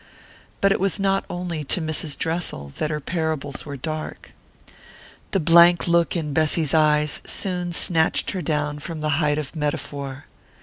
But it was not only to Mrs. Dressel that her parables were dark, and the blank look in Bessy's eyes soon snatched her down from the height of metaphor.